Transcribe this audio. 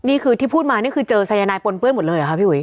นี่คือที่พูดมานี่คือเจอสายนายปนเปื้อนหมดเลยเหรอคะพี่อุ๋